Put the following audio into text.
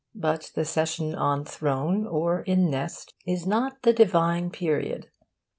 But the session on throne or in nest is not the divine period.